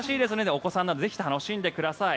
お子さんなどぜひ楽しんでください。